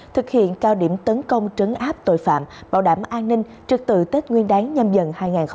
thực hiện cao điểm tấn công trấn áp tội phạm bảo đảm an ninh trực tự tết nguyên đáng nhâm dần hai nghìn hai mươi bốn